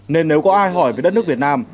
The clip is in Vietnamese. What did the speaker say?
nên nếu có ai hỏi về đất nước việt nam